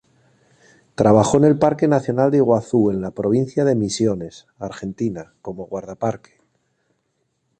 Trabajó en el Parque nacional Iguazú en la Provincia de Misiones, Argentina, como guardaparque.